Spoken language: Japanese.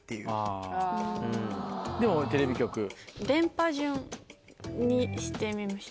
でもテレビ局？にしてみました。